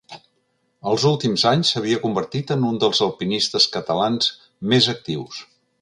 Els últims anys s’havia convertit en un dels alpinistes catalans més actius.